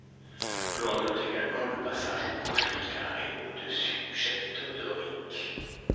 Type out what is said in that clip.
L'on note également le passage au profil carré au-dessus du chapiteau dorique.